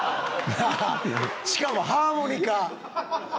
しかも、ハーモニカ。